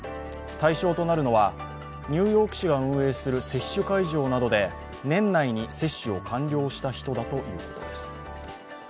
対象となるのはニューヨーク市が運営する接種会場などで年内に接種を完了した人だということです。